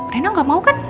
rena gak mau kan